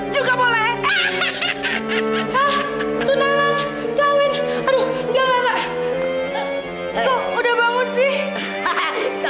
coba tunggu dulu ya seh